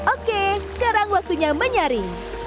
oke sekarang waktunya menyari